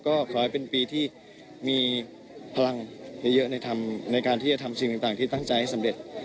ก็ขอให้เป็นปีที่มีพลังเยอะในการที่จะทำสิ่งต่างที่ตั้งใจให้สำเร็จ